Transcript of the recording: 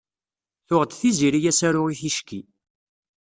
Tuɣ-d Tiziri asaru i ticki.